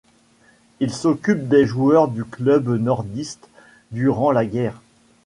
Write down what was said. Il s'occupe des joueurs du club nordiste durant la Guerre.